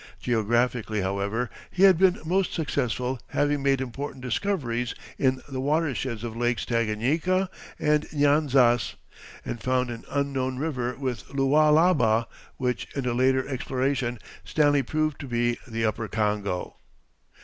Geographically, however, he had been most successful, having made important discoveries in the water sheds of Lakes Tanganyika and the Nyanzas, and found an unknown river, the Lualaba, which in a later exploration Stanley proved to be the Upper Congo.